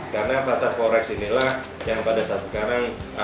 karena pasar forex inilah yang pada saat sekarang